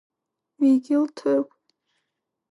Векил ҭырқә.